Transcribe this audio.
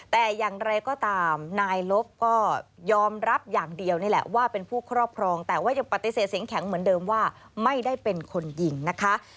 แต่อย่างไรก็ตามนายลบก็ยอมรับอย่างเดียวนี่แหละว่าเป็นผู้ครอบครองแต่ว่ายังปฏิเสธเสียงแข็งเหมือนเดิมว่าไม่ได้เป็นคนยิงนะคะ